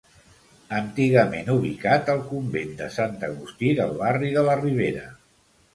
Antigament ubicat al Convent de Sant Agustí del barri de la Ribera.